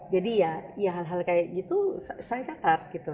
jadi ya hal hal kayak gitu saya catat gitu